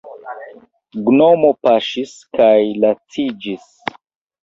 Gnomo paŝis kaj laciĝis.